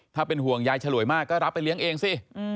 ถ้าเป็นห่วงยายฉลวยมากก็รับไปเลี้ยงเองสิ